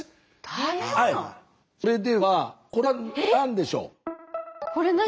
それではこれは何でしょう？